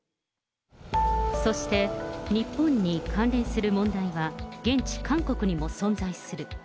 そして、日本に関連する問題は、現地韓国にも存在する。